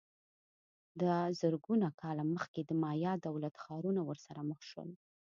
دا زرګونه کاله مخکې د مایا دولت ښارونه ورسره مخ شول